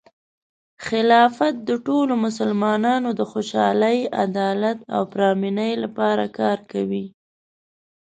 خلافت د ټولو مسلمانانو د خوشحالۍ، عدالت، او پرامنۍ لپاره کار کوي.